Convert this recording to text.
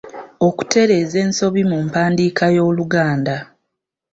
Okutereeza ensobi mu mpandiika y'Oluganda.